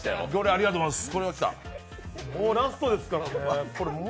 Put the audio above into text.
ありがとうございます。